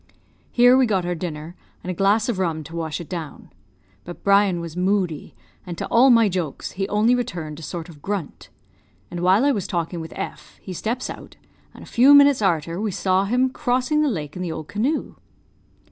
Here we got our dinner, and a glass of rum to wash it down. But Brian was moody, and to all my jokes he only returned a sort of grunt; and while I was talking with F , he steps out, and a few minutes arter we saw him crossing the lake in the old canoe.